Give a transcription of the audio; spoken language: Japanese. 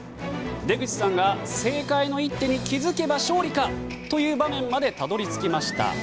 出口さんが正解の一手に気づけば勝利かという場面までたどり着きました。